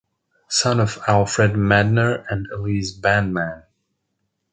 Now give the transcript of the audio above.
Son of Alfred Meidner and Elise Bandmann.